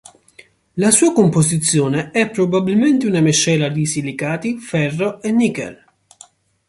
La sua composizione è probabilmente una miscela di silicati, ferro e nichel.